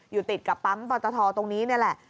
อยู่ติดกับปั๊มปอตทตรงนี้นี่แหละ